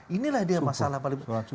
inilah dia masalah paling besar